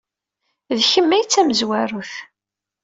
D kemm ay d tamezwarut.